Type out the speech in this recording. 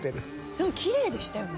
でもきれいでしたよね。